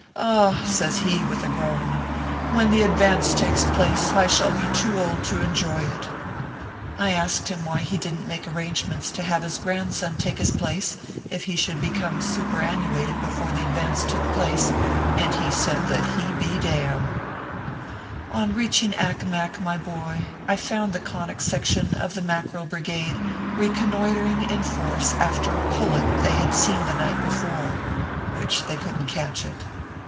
Ah !" says he, with a groan, " when the advance takes place I shall be too old to enjoy it." I asked him why he didn t make arrangements to have his grandson take his place, if he should become superanuated before the advance took place ; and he said that he be dam. On reaching Accomac, my boy, I found the Conic Section of the Mackerel Brigade reconnoitering in force after a pullet they had seen the night before. Which they couldn t catch it.